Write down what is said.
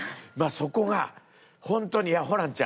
そこがホントにいやホランちゃん。